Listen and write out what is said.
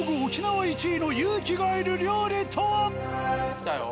来たよ。